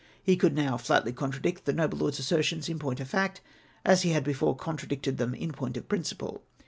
He could now flatly contradict the noble lord's assertions in point of fact, as he had before contradicted them in point of principle.